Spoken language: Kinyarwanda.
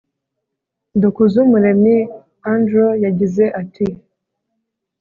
Dukuzumuremyi Andrew yagize ati